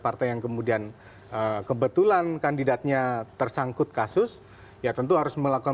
partai yang kemudian kebetulan kandidatnya tersangkut kasus ya tentu harus melakukan